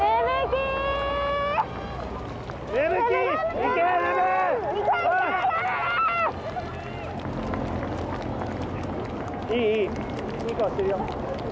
行け！いい顔してるよ。